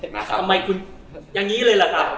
ทำไมคุณอย่างนี้เลยล่ะครับ